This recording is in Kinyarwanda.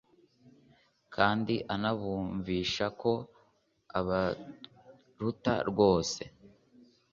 kandi anabumvisha ko abaruta rwose.